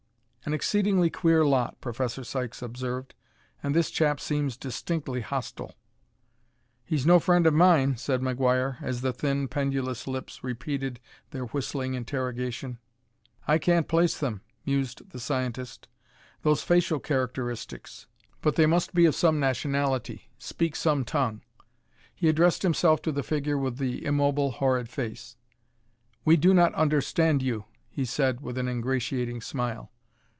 "An exceedingly queer lot," Professor Sykes observed. "And this chap seems distinctly hostile." "He's no friend of mine," said McGuire as the thin, pendulous lips repeated their whistling interrogation. "I can't place them," mused the scientist. "Those facial characteristics.... But they must be of some nationality, speak some tongue." He addressed himself to the figure with the immobile, horrid face. "We do not understand you," he said with an ingratiating smile.